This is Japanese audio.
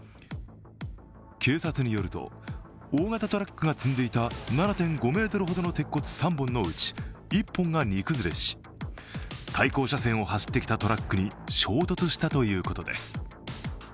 警察によると、大型トラックが積んでいた７．５ｍほどの鉄骨３本のうち１本が荷崩れし、対向車線を走ってきたトラックに衝突したということです。